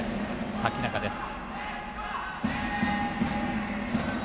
瀧中です。